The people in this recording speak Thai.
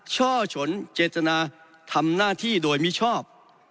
ช่อฉนเจตนาทำหน้าที่โดยมิชอบ